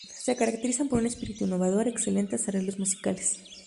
Se caracterizaron por un espíritu innovador, excelentes arreglos musicales.